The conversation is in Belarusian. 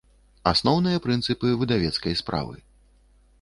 Асноўныя прынцыпы выдавецкай справы